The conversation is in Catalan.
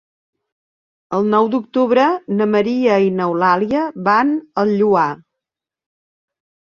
El nou d'octubre na Maria i n'Eulàlia van al Lloar.